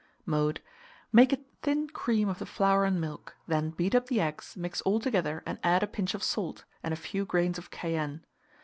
Mode. Make a thin cream of the flour and milk; then beat up the eggs, mix all together, and add a pinch of salt and a few grains of cayenne.